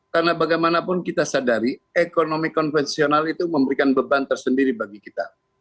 karena bagaimanapun kita sadari ekonomi konvensional itu memberikan beban tersendiri bagi kita